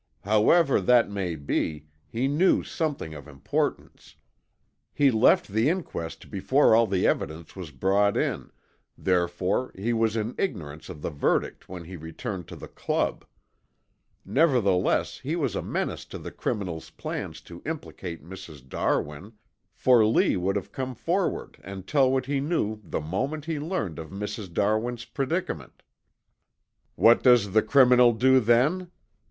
However that may be, he knew something of importance. He left the inquest before all the evidence was brought in, therefore he was in ignorance of the verdict when he returned to the Club. Nevertheless he was a menace to the criminal's plan to implicate Mrs. Darwin, for Lee would come forward and tell what he knew the moment he learned of Mrs. Darwin's predicament. What does the criminal do then?